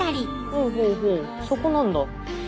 ほうほうほうそこなんだ。